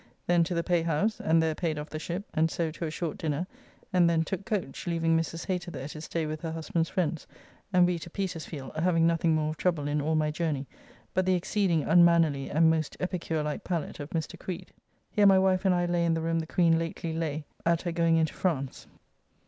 Then to the payhouse, and there paid off the ship, and so to a short dinner, and then took coach, leaving Mrs. Hater there to stay with her husband's friends, and we to Petersfield, having nothing more of trouble in all my journey, but the exceeding unmannerly and most epicure like palate of Mr. Creed. Here my wife and I lay in the room the Queen lately lay at her going into France.